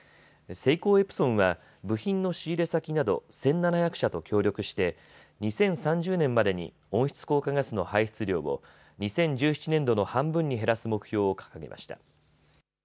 セイコーエプソンは部品の仕入れ先など１７００社と協力して２０３０年までに温室効果ガスの排出量を２０１７年度の半分に減らす目標を掲げました。